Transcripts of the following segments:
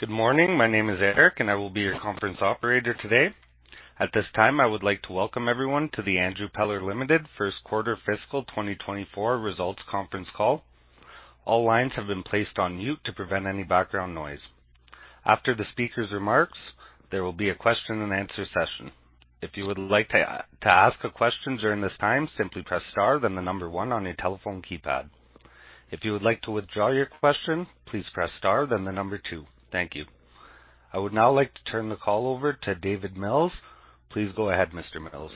Good morning. My name is Eric, and I will be your conference operator today. At this time, I would like to welcome everyone to the Andrew Peller Limited First Quarter Fiscal 2024 Results Conference Call. All lines have been placed on mute to prevent any background noise. After the speaker's remarks, there will be a question and answer session. If you would like to ask a question during this time, simply press Star, then one on your telephone keypad. If you would like to withdraw your question, please press Star, then two. Thank you. I would now like to turn the call over to David Mills. Please go ahead, Mr. Mills.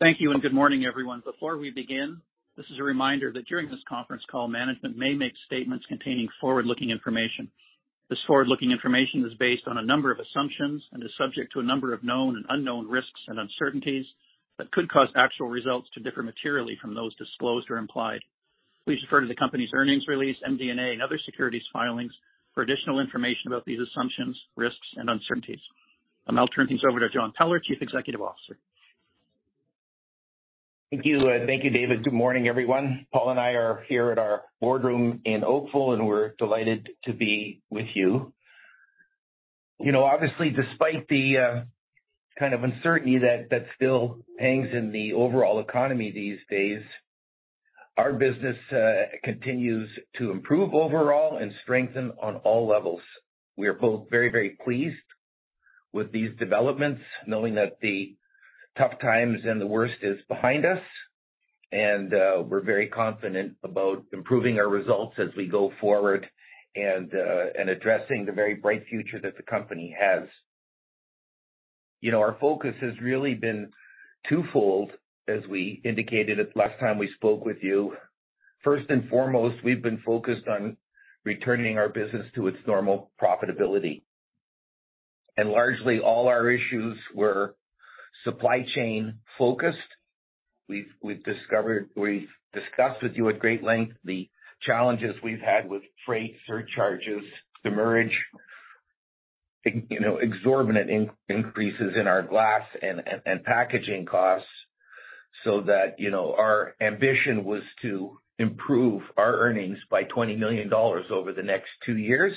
Thank you, and good morning, everyone. Before we begin, this is a reminder that during this conference call, management may make statements containing forward-looking information. This forward-looking information is based on a number of assumptions and is subject to a number of known and unknown risks and uncertainties that could cause actual results to differ materially from those disclosed or implied. Please refer to the company's earnings release, MD&A, and other securities filings for additional information about these assumptions, risks, and uncertainties. I'll now turn things over to John Peller, Chief Executive Officer. Thank you. Thank you, David. Good morning, everyone. Paul and I are here at our boardroom in Oakville. We're delighted to be with you. You know, obviously, despite the kind of uncertainty that still hangs in the overall economy these days, our business continues to improve overall and strengthen on all levels. We are both very, very pleased with these developments, knowing that the tough times and the worst is behind us. We're very confident about improving our results as we go forward and addressing the very bright future that the company has. You know, our focus has really been twofold, as we indicated the last time we spoke with you. First and foremost, we've been focused on returning our business to its normal profitability. Largely all our issues were supply chain-focused. We've discussed with you at great length the challenges we've had with freight surcharges, demurrage, you know, exorbitant increases in our glass and, and, and packaging costs, so that, you know, our ambition was to improve our earnings by $20 million over the next two years.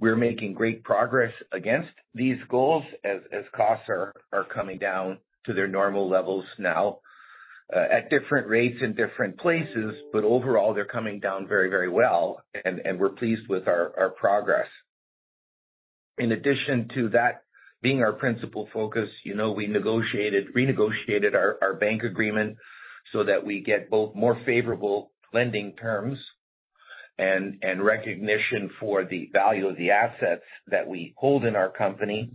We're making great progress against these goals as, as costs are coming down to their normal levels now, at different rates in different places. Overall, they're coming down very, very well, and, and we're pleased with our progress. In addition to that being our principal focus, you know, we renegotiated our, our bank agreement so that we get both more favorable lending terms and, and recognition for the value of the assets that we hold in our company.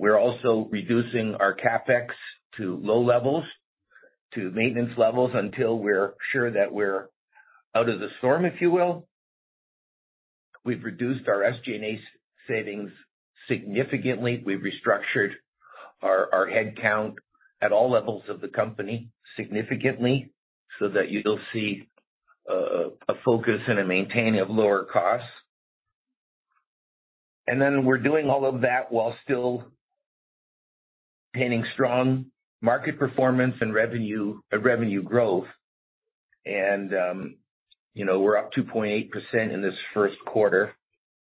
We're also reducing our CapEx to low levels, to maintenance levels, until we're sure that we're out of the storm, if you will. We've reduced our SG&A savings significantly. We've restructured our headcount at all levels of the company significantly, so that you'll see a, a focus and a maintaining of lower costs. Then we're doing all of that while still maintaining strong market performance and revenue, and revenue growth. You know, we're up 2.8% in this first quarter.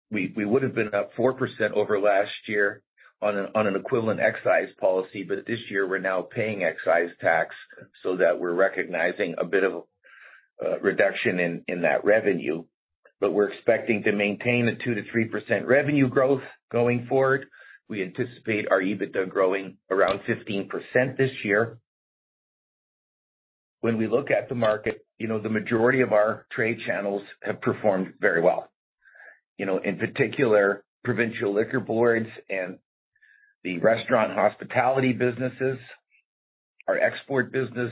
We, we would have been up 4% over last year on an, on an equivalent excise policy, but this year we're now paying excise tax, so that we're recognizing a bit of a reduction in that revenue. We're expecting to maintain a 2%-3% revenue growth going forward. We anticipate our EBITDA growing around 15% this year. When we look at the market, you know, the majority of our trade channels have performed very well. You know, in particular, provincial liquor boards and the restaurant hospitality businesses. Our export business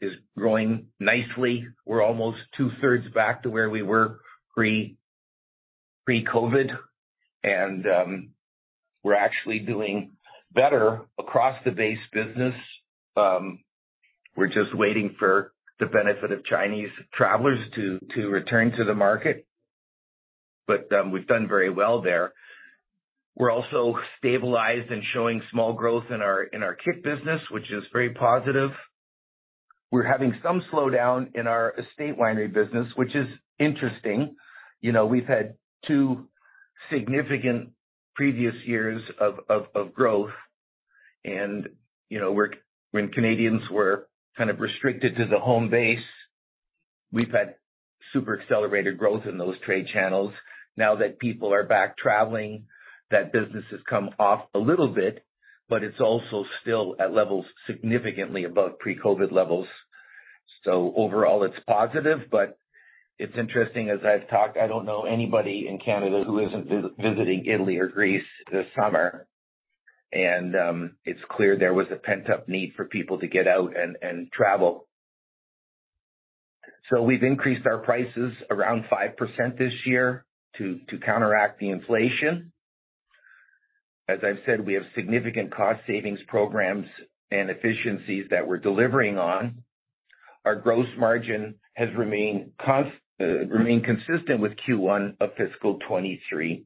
is growing nicely. We're almost two thirds back to where we were pre-COVID, we're actually doing better across the base business. We're just waiting for the benefit of Chinese travelers to return to the market. We've done very well there. We're also stabilized and showing small growth in our kit business, which is very positive. We're having some slowdown in our estate winery business, which is interesting. You know, we've had two significant previous years of, of, of growth and, you know, when Canadians were kind of restricted to the home base, we've had super accelerated growth in those trade channels. Now that people are back traveling, that business has come off a little bit, but it's also still at levels significantly above pre-COVID levels. Overall, it's positive, but it's interesting, as I've talked, I don't know anybody in Canada who isn't visiting Italy or Greece this summer, and it's clear there was a pent-up need for people to get out and, and travel. We've increased our prices around 5% this year, to counteract the inflation. As I've said, we have significant cost savings programs and efficiencies that we're delivering on. Our gross margin has remained consistent with Q1 of fiscal 23.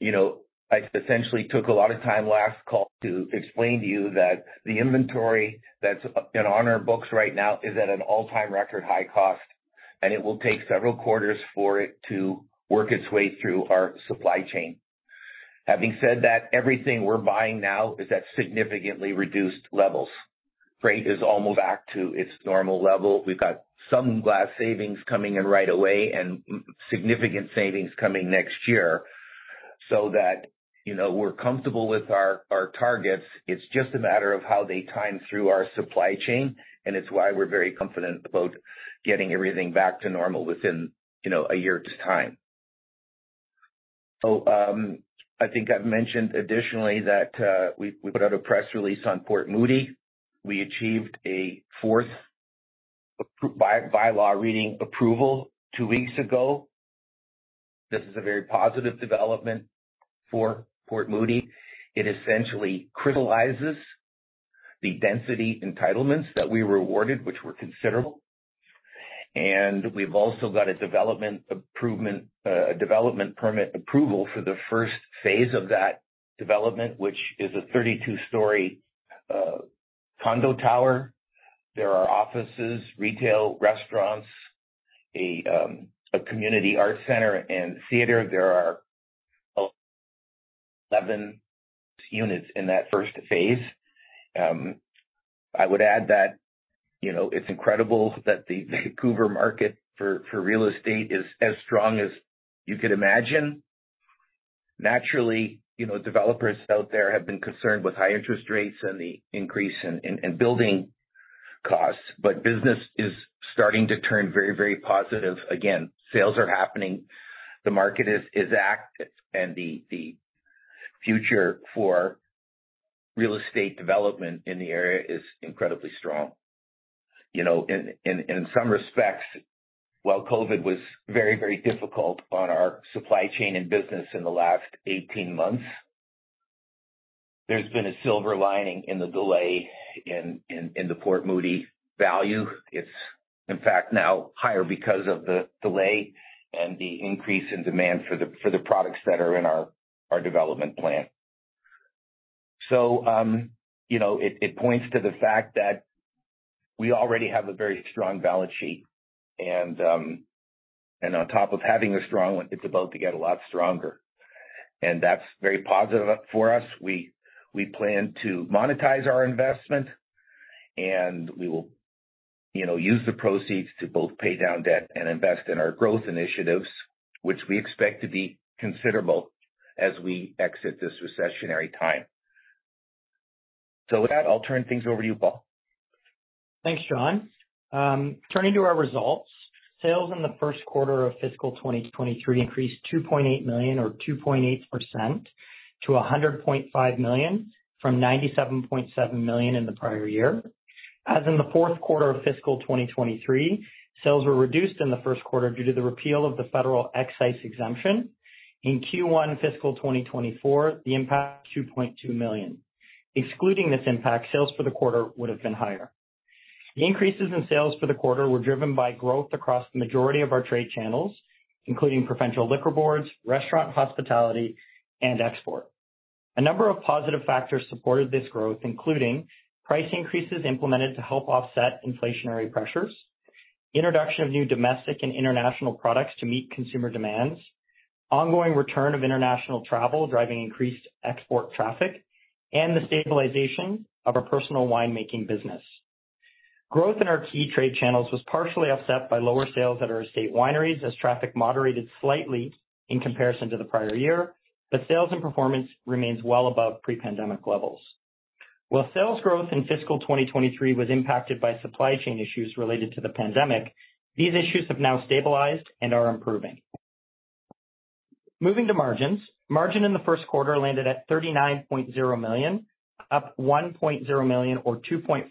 You know, I essentially took a lot of time last call to explain to you that the inventory that's, on our books right now is at an all-time record high cost, and it will take several quarters for it to work its way through our supply chain. Having said that, everything we're buying now is at significantly reduced levels. Freight is almost back to its normal level. We've got some glass savings coming in right away and significant savings coming next year, so that, you know, we're comfortable with our, our targets. It's just a matter of how they time through our supply chain, and it's why we're very confident about getting everything back to normal within, you know, a year's time. I think I've mentioned additionally that we put out a press release on Port Moody. We achieved a fourth bylaw reading approval two weeks ago. This is a very positive development for Port Moody. It essentially crystallizes the density entitlements that we were awarded, which were considerable, and we've also got a development approvement, a development permit approval for the first phase of that development, which is a 32-story condo tower. There are offices, retail, restaurants, a community art center and theater. There are 11 units in that first phase. I would add that, you know, it's incredible that the Vancouver market for real estate is as strong as you could imagine. Naturally, you know, developers out there have been concerned with high interest rates and the increase in building costs, but business is starting to turn very, very positive again. Sales are happening, the market is active, the future for real estate development in the area is incredibly strong. You know, in some respects, while COVID was very, very difficult on our supply chain and business in the last 18 months, there's been a silver lining in the delay in the Port Moody value. It's in fact now higher because of the delay and the increase in demand for the products that are in our development plan. You know, it points to the fact that we already have a very strong balance sheet, and on top of having a strong one, it's about to get a lot stronger, and that's very positive for us. We, we plan to monetize our investment, and we will, you know, use the proceeds to both pay down debt and invest in our growth initiatives, which we expect to be considerable as we exit this recessionary time. With that, I'll turn things over to you, Paul. Thanks, John. Turning to our results. Sales in the first quarter of fiscal 2023 increased 2.8 million or 2.8% to 100.5 million, from 97.7 million in the prior year. As in the fourth quarter of fiscal 2023, sales were reduced in the first quarter due to the repeal of the federal excise exemption. In Q1 fiscal 2024, the impact 2.2 million. Excluding this impact, sales for the quarter would have been higher. The increases in sales for the quarter were driven by growth across the majority of our trade channels, including provincial liquor boards, restaurant, hospitality, and export. A number of positive factors supported this growth, including price increases implemented to help offset inflationary pressures, introduction of new domestic and international products to meet consumer demands, ongoing return of international travel, driving increased export traffic, and the stabilization of our personal winemaking business. Growth in our key trade channels was partially offset by lower sales at our estate wineries, as traffic moderated slightly in comparison to the prior year. Sales and performance remains well above pre-pandemic levels. While sales growth in fiscal 2023 was impacted by supply chain issues related to the pandemic, these issues have now stabilized and are improving. Moving to margins. Margin in the first quarter landed at 39.0 million, up 1.0 million or 2.5%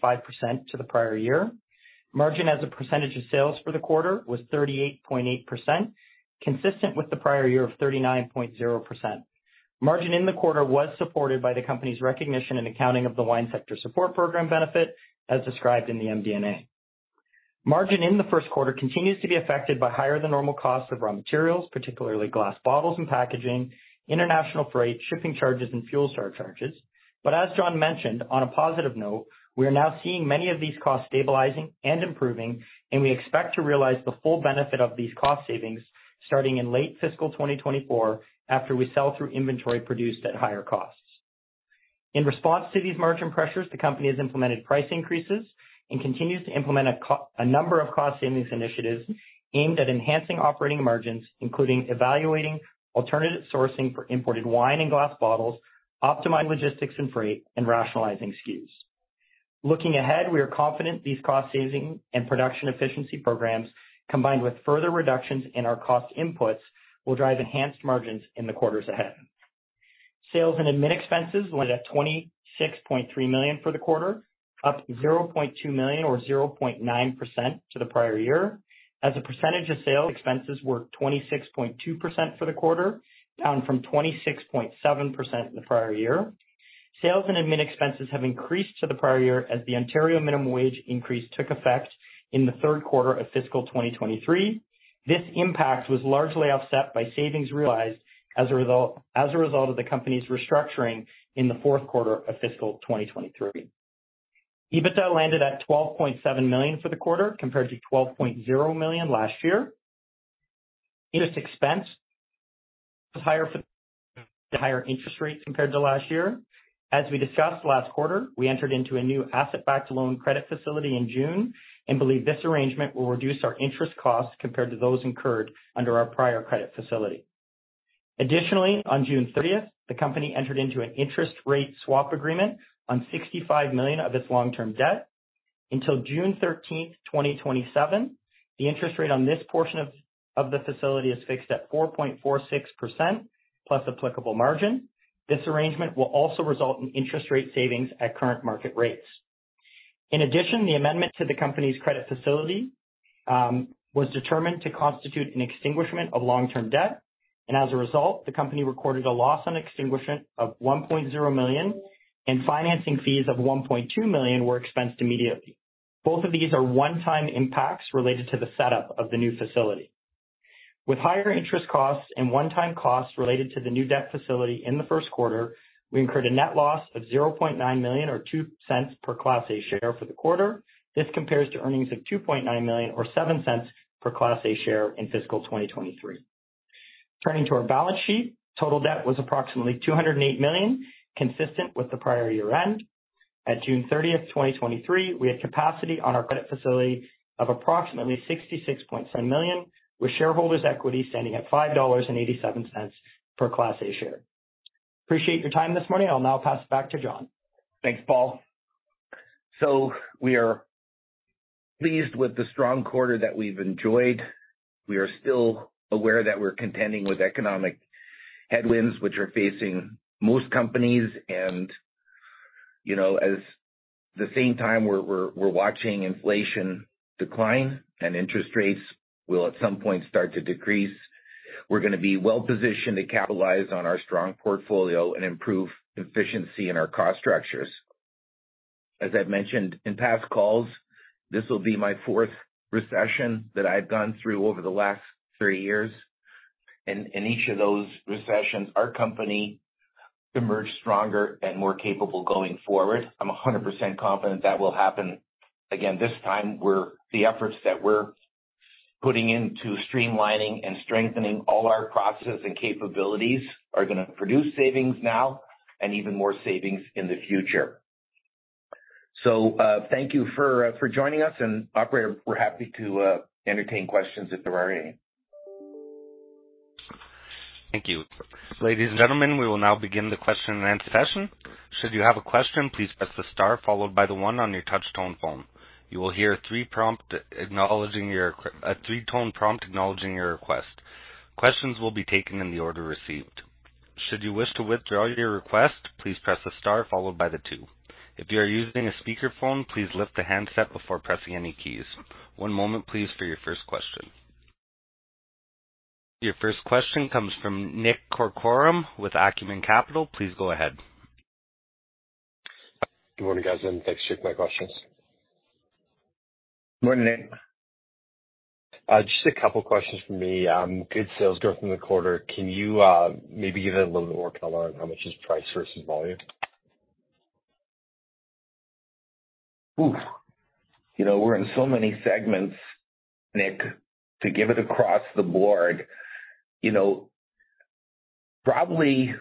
to the prior year. Margin as a percentage of sales for the quarter was 38.8%, consistent with the prior year of 39.0%. Margin in the quarter was supported by the company's recognition and accounting of the Wine Sector Support Program benefit, as described in the MD&A. Margin in the first quarter continues to be affected by higher than normal costs of raw materials, particularly glass bottles and packaging, international freight, shipping charges, and fuel surcharges. As John mentioned, on a positive note, we are now seeing many of these costs stabilizing and improving, and we expect to realize the full benefit of these cost savings starting in late fiscal 2024, after we sell through inventory produced at higher costs. In response to these margin pressures, the company has implemented price increases and continues to implement a number of cost savings initiatives aimed at enhancing operating margins, including evaluating alternative sourcing for imported wine and glass bottles, optimized logistics and freight, and rationalizing SKUs. Looking ahead, we are confident these cost saving and production efficiency programs, combined with further reductions in our cost inputs, will drive enhanced margins in the quarters ahead. Sales and admin expenses landed at 26.3 million for the quarter, up 0.2 million or 0.9% to the prior year. As a percentage of sales, expenses were 26.2% for the quarter, down from 26.7% in the prior year. Sales and admin expenses have increased to the prior year as the Ontario minimum wage increase took effect in the third quarter of fiscal 2023. This impact was largely offset by savings realized as a result of the company's restructuring in the fourth quarter of fiscal 2023. EBITDA landed at 12.7 million for the quarter, compared to 12.0 million last year. Interest expense was higher for the higher interest rates compared to last year. As we discussed last quarter, we entered into a new asset-backed loan credit facility in June and believe this arrangement will reduce our interest costs compared to those incurred under our prior credit facility. Additionally, on June 30th, the company entered into an interest rate swap agreement on 65 million of its long-term debt. Until June 13th, 2027, the interest rate on this portion of the facility is fixed at 4.46%, plus applicable margin. This arrangement will also result in interest rate savings at current market rates. In addition, the amendment to the company's credit facility, was determined to constitute an extinguishment of long-term debt, and as a result, the company recorded a loss on extinguishment of 1.0 million and financing fees of 1.2 million were expensed immediately. Both of these are one-time impacts related to the setup of the new facility. With higher interest costs and one-time costs related to the new debt facility in the first quarter, we incurred a net loss of 0.9 million or 0.02 per Class A share for the quarter. This compares to earnings of 2.9 million or 0.07 per Class A share in fiscal 2023. Turning to our balance sheet, total debt was approximately 208 million, consistent with the prior year end. At June 30, 2023, we had capacity on our credit facility of approximately 66.7 million, with shareholders' equity standing at 5.87 dollars per Class A share. Appreciate your time this morning. I'll now pass it back to John. Thanks, Paul. We are pleased with the strong quarter that we've enjoyed. We are still aware that we're contending with economic headwinds, which are facing most companies. You know, as the same time, we're watching inflation decline and interest rates will, at some point, start to decrease. We're gonna be well-positioned to capitalize on our strong portfolio and improve efficiency in our cost structures. As I've mentioned in past calls, this will be my fourth recession that I've gone through over the last three years, and in each of those recessions, our company emerged stronger and more capable going forward. I'm 100% confident that will happen again. This time, the efforts that we're putting into streamlining and strengthening all our processes and capabilities are gonna produce savings now and even more savings in the future. Thank you for, for joining us, and operator, we're happy to entertain questions if there are any. Thank you. Ladies and gentlemen, we will now begin the question and answer session. Should you have a question, please press the star followed by the one on your touch tone phone. You will hear a three-tone prompt acknowledging your request. Questions will be taken in the order received. Should you wish to withdraw your request, please press the star followed by the two. If you are using a speakerphone, please lift the handset before pressing any keys. one moment, please, for your first question. Your first question comes from Nick Corcoran with Acumen Capital. Please go ahead. Good morning, guys, and thanks. Take my questions. Good morning, Nick. Just two questions from me. Good sales growth in the quarter. Can you maybe give it a little bit more color on how much is price versus volume? Oof! You know, we're in so many segments, Nick, to give it across the board. You know, probably,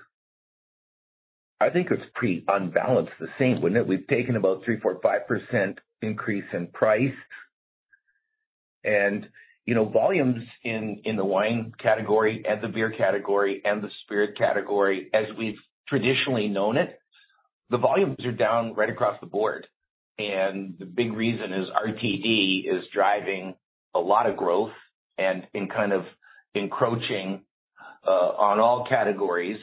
I think it's pretty unbalanced the same, wouldn't it? We've taken about 3%, 4%, 5% increase in price. You know, volumes in, in the wine category and the beer category and the spirit category, as we've traditionally known it, the volumes are down right across the board. The big reason is RTD is driving a lot of growth and in kind of encroaching on all categories.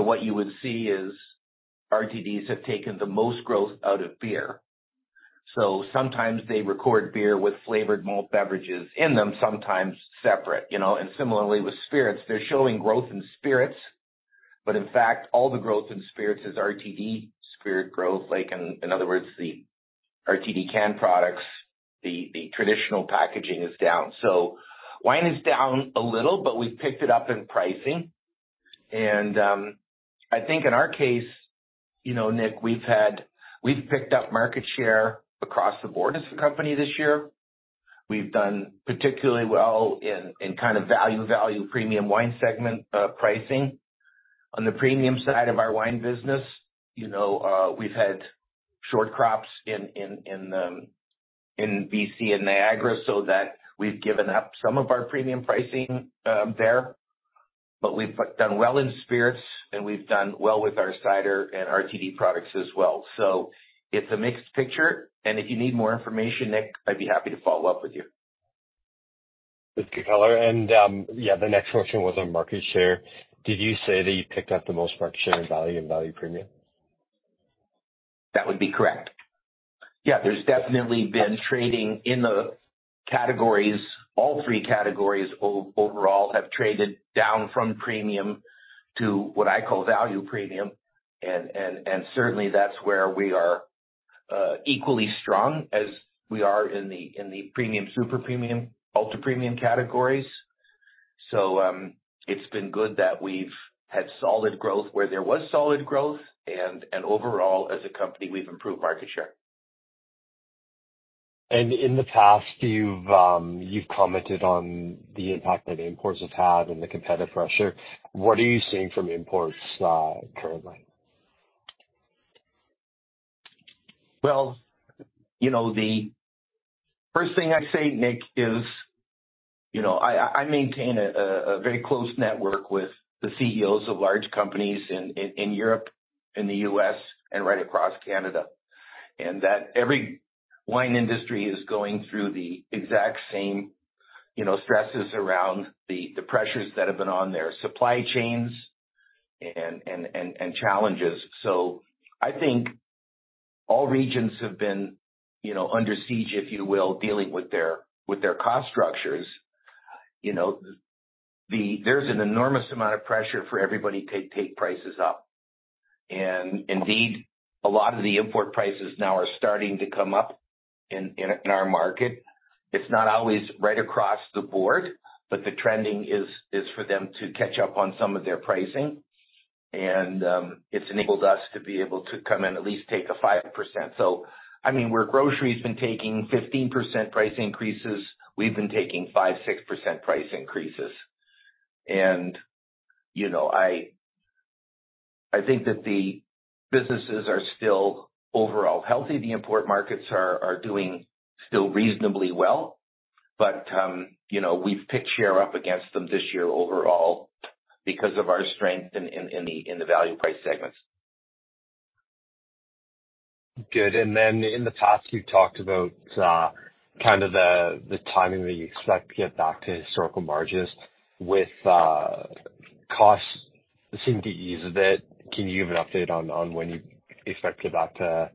What you would see is RTDs have taken the most growth out of beer. Sometimes they record beer with flavored malt beverages in them, sometimes separate, you know. Similarly with spirits, they're showing growth in spirits, but in fact, all the growth in spirits is RTD spirit growth. Like, in, in other words, the RTD canned products, the, the traditional packaging is down. Wine is down a little, but we've picked it up in pricing. I think in our case, you know, Nick, we've picked up market share across the board as a company this year. We've done particularly well in, in kind of value, value premium wine segment pricing. On the premium side of our wine business, you know, we've had short crops in, in, in BC and Niagara, so that we've given up some of our premium pricing there. We've done well in spirits, and we've done well with our cider and RTD products as well. It's a mixed picture, and if you need more information, Nick, I'd be happy to follow up with you. That's a good color. Yeah, the next question was on market share. Did you say that you picked up the most market share in value and value premium? That would be correct. Yeah, there's definitely been trading in the categories, all three categories overall have traded down from premium to what I call value premium. Certainly, that's where we are equally strong as we are in the premium, super premium, ultra-premium categories. It's been good that we've had solid growth where there was solid growth and overall, as a company, we've improved market share. In the past, you've, you've commented on the impact that imports have had and the competitive pressure. What are you seeing from imports, currently? Well, you know, the first thing I'd say, Nick, is, you know, I maintain a very close network with the CEOs of large companies in Europe, in the US, and right across Canada, and that every wine industry is going through the exact same, you know, stresses around the, the pressures that have been on their supply chains and challenges. I think all regions have been, you know, under siege, if you will, dealing with their cost structures. You know, there's an enormous amount of pressure for everybody to take prices up. Indeed, a lot of the import prices now are starting to come up in our market. It's not always right across the board, but the trending is for them to catch up on some of their pricing. It's enabled us to be able to come in and at least take a 5%. I mean, where grocery's been taking 15% price increases, we've been taking 5%-6% price increases. you know, I, I think that the businesses are still overall healthy. The import markets are, are doing still reasonably well, you know, we've picked share up against them this year overall because of our strength in the, in the value price segments. Good. In the past, you talked about, kind of the, the timing that you expect to get back to historical margins with, costs seem to ease a bit. Can you give an update on, on when you expect to get back to,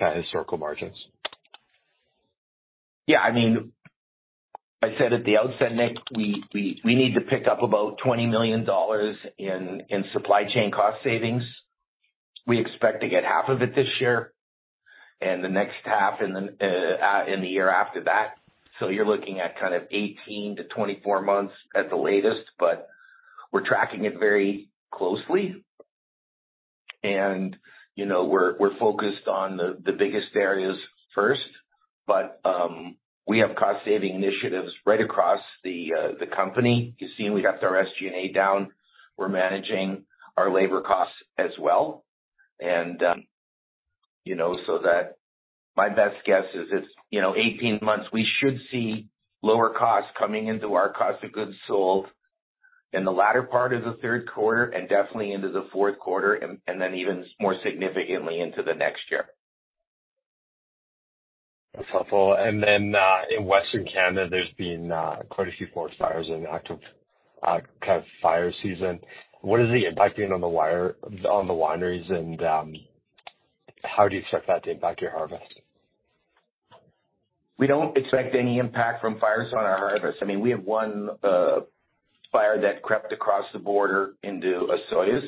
to historical margins? Yeah, I mean, I said at the outset, Nick, we need to pick up about 20 million dollars in, in supply chain cost savings. We expect to get half of it this year and the next half in the year after that. You're looking at kind of 18-24 months at the latest, but we're tracking it very closely. You know, we're focused on the, the biggest areas first, but we have cost-saving initiatives right across the company. You've seen we got our SG&A down. We're managing our labor costs as well. You know, my best guess is it's, you know, 18 months, we should see lower costs coming into our cost of goods sold in the latter part of the third quarter and definitely into the fourth quarter, and then even more significantly into the next year. That's helpful. Then, in Western Canada, there's been quite a few forest fires and active kind of fire season. What is the impact being on the wire... On the wineries, and how do you expect that to impact your harvest? We don't expect any impact from fires on our harvest. I mean, we have one fire that crept across the border into Osoyoos.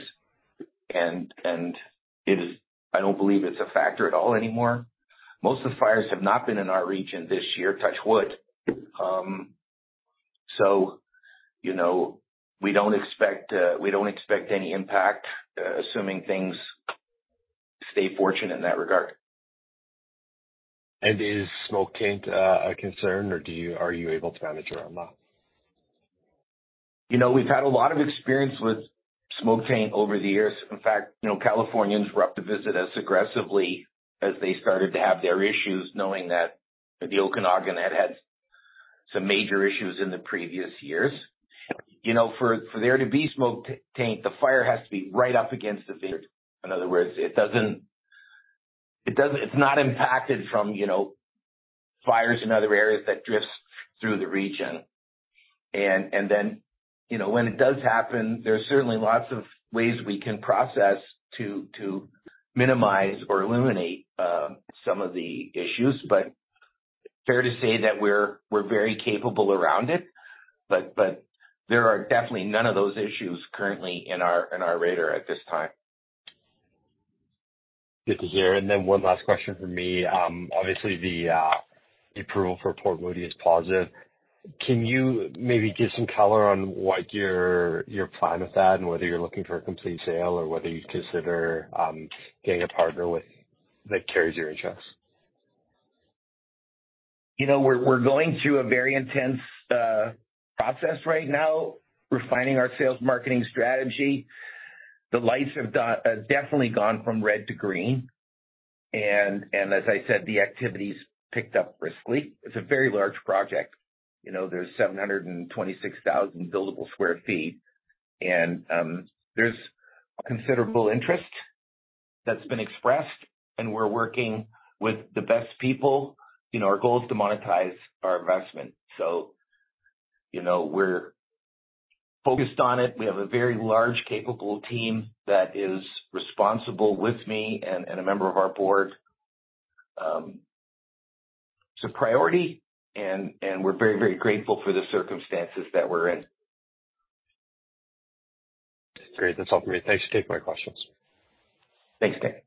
I don't believe it's a factor at all anymore. Most of the fires have not been in our region this year, touch wood. You know, we don't expect any impact, assuming things stay fortunate in that regard. Is smoke taint, a concern, or are you able to manage it or not? You know, we've had a lot of experience with smoke taint over the years. In fact, you know, Californians were up to visit us aggressively as they started to have their issues, knowing that the Okanagan had had some major issues in the previous years. You know, for, for there to be smoke taint, the fire has to be right up against the vineyard. In other words, it doesn't, it's not impacted from, you know, fires in other areas that drifts through the region. Then, you know, when it does happen, there are certainly lots of ways we can process to, to minimize or eliminate some of the issues. Fair to say that we're very capable around it, but, but there are definitely none of those issues currently in our radar at this time. Good to hear. Then one last question from me. Obviously, the approval for Port Moody is positive. Can you maybe give some color on wyour plan with that and whether you're looking for a complete sale or whether you'd consider, getting a partner with, that carries your interests? You know, we're, we're going through a very intense process right now, refining our sales marketing strategy. The lights have definitely gone from red to green, and as I said, the activity's picked up briskly. It's a very large project. You know, there's 726,000 buildable sq ft, and there's considerable interest that's been expressed, and we're working with the best people. You know, our goal is to monetize our investment. You know, we're focused on it. We have a very large, capable team that is responsible with me and a member of our board. It's a priority, and we're very, very grateful for the circumstances that we're in. Great. That's all great. Thanks for taking my questions. Thanks, Nick.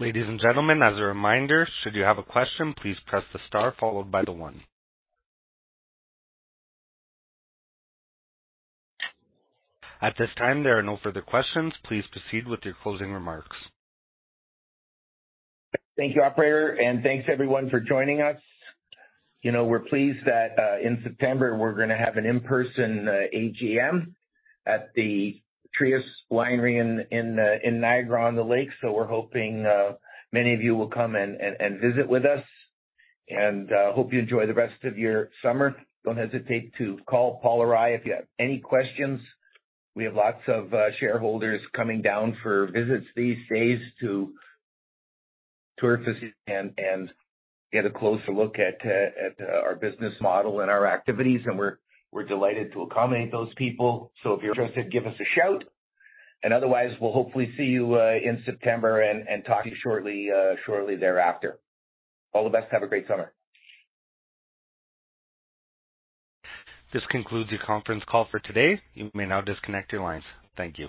Ladies and gentlemen, as a reminder, should you have a question, please press the star followed by the one. At this time, there are no further questions. Please proceed with your closing remarks. Thank you, operator. Thanks, everyone, for joining us. You know, we're pleased that in September, we're gonna have an in-person AGM at the Trius Winery in Niagara-on-the-Lake. We're hoping many of you will come and visit with us and hope you enjoy the rest of your summer. Don't hesitate to call Paul or I if you have any questions. We have lots of shareholders coming down for visits these days to tour facilities and get a closer look at our business model and our activities, and we're delighted to accommodate those people. If you're interested, give us a shout, and otherwise, we'll hopefully see you in September and talk to you shortly thereafter. All the best. Have a great summer. This concludes the conference call for today. You may now disconnect your lines. Thank you.